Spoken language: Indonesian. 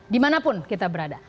dimanapun kita berada